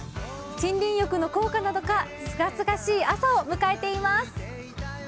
森林浴の効果なのかすがすがしい朝を迎えています。